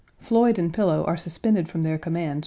Floyd and Pillow1 are suspended from their commands 1.